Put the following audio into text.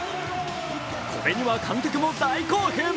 これには観客も大興奮。